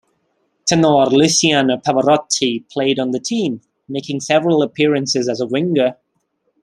Tenor Luciano Pavarotti played on the team, making several appearances as a winger.